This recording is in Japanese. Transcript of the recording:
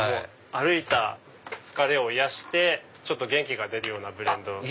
歩いた疲れを癒やして元気が出るようなブレンド。